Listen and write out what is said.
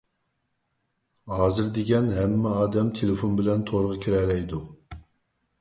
ھازىر دېگەن ھەممە ئادەم تېلېفون بىلەن تورغا كىرەلەيدۇ.